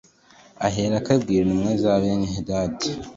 Aherako abwira intumwa za Benihadadi